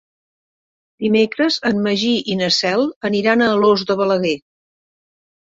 Dimecres en Magí i na Cel aniran a Alòs de Balaguer.